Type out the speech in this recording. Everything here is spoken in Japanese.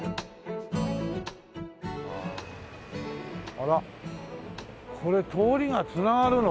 あらこれ通りが繋がるの？